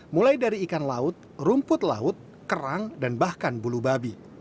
mulai dari ikan laut rumput laut kerang dan bahkan bulu babi